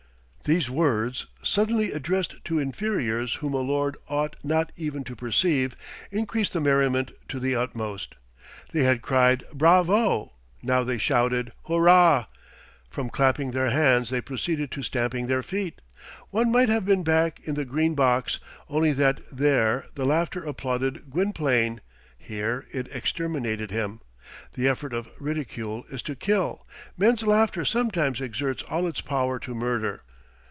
These words, suddenly addressed to inferiors whom a lord ought not even to perceive, increased the merriment to the utmost. They had cried, "Bravo!" Now they shouted, "Hurrah!" From clapping their hands they proceeded to stamping their feet. One might have been back in the Green Box, only that there the laughter applauded Gwynplaine; here it exterminated him. The effort of ridicule is to kill. Men's laughter sometimes exerts all its power to murder.